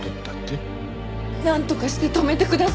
なんとかして止めてください。